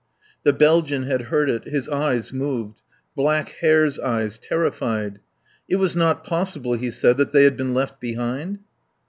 The Belgian had heard it. His eyes moved. Black hare's eyes, terrified. It was not possible, he said, that they had been left behind?